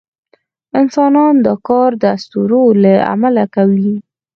انسانان دا کار د اسطورو له امله کوي.